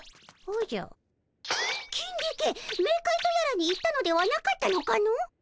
キンディケメーカイとやらに行ったのではなかったのかの？